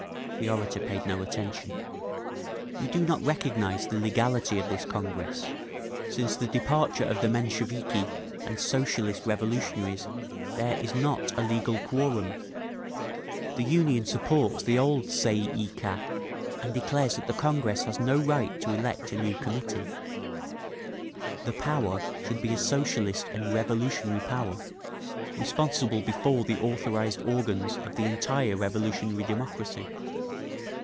The orator paid no attention. "We do not recognise the legality of this Congress; since the departure of the Mensheviki and Socialist Revolutionaries there is not a legal quorum…. The Union supports the old Tsay ee Kah, and declares that the Congress has no right to elect a new Committee…. "The Power should be a Socialist and revolutionary Power, responsible before the authorised organs of the entire revolutionary democracy.